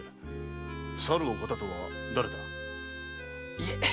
いえ。